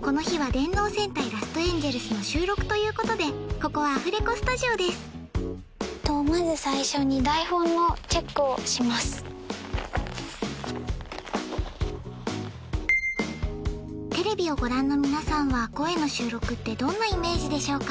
この日は「電脳戦隊ラストエンジェルス」の収録ということでここはアフレコスタジオですまず最初に台本のチェックをしますテレビをご覧の皆さんは声の収録ってどんなイメージでしょうか？